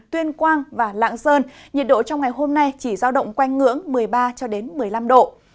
tuyên quang và lạng sơn nhiệt độ trong ngày hôm nay chỉ giao động quanh ngưỡng một mươi ba một mươi năm độ